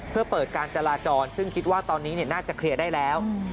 เพื่อเปิดการจราจรซึ่งคิดว่าตอนนี้น่าจะเคลียร์ได้แล้ว